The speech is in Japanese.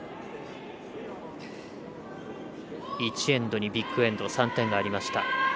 １エンドにビッグエンド３点がありました。